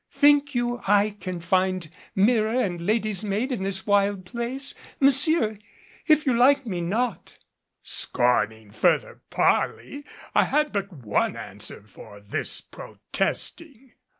Think you I can find mirror and lady's maid in this wild place? Monsieur if you like me not " Scorning further parley, I had but one answer for this protesting.